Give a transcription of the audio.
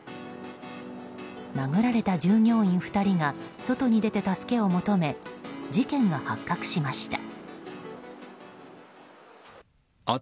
殴られた従業員２人が外に出て助けを求め事件が発覚しました。